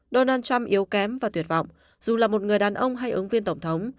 donald trump yếu kém và tuyệt vọng dù là một người đàn ông hay ứng viên tổng thống